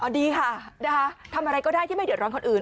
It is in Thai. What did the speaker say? ดีค่ะทำอะไรก็ได้ที่ไม่เดือดร้อนคนอื่น